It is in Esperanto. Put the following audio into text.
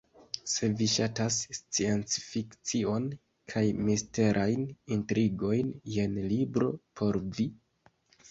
Se vi ŝatas sciencfikcion kaj misterajn intrigojn, jen libro por vi.